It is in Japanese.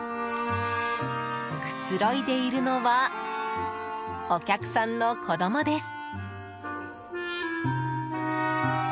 くつろいでいるのはお客さんの子供です。